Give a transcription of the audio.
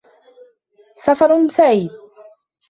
سَفَر سَعِيد!